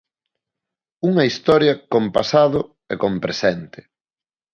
Unha historia con pasado e con presente.